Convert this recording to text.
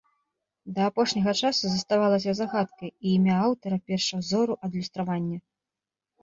Да апошняга часу заставалася загадкай і імя аўтара першаўзору адлюстравання.